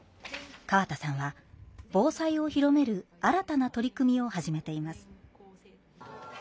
河田さんは防災を広める新たな取り組みを始めています。